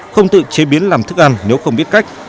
không tự chế biến làm thức ăn nếu không biết cách